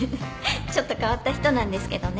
ちょっと変わった人なんですけどね。